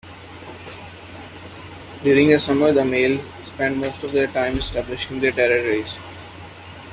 During the summer, the males spend most of their time establishing their territories.